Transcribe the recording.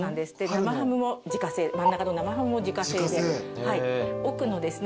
生ハムも自家製真ん中の生ハムも自家製で奥のですね